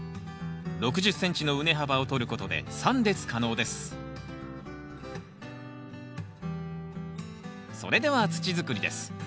６０ｃｍの畝幅をとることで３列可能ですそれでは土づくりです。